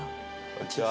こんにちは。